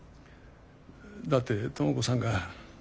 だって知子さんが。